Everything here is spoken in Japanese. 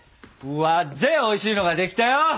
わっぜおいしいのが出来たよ！